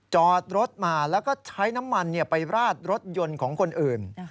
จอดรถมาแล้วก็ใช้น้ำมันไปราดรถยนต์ของคนอื่น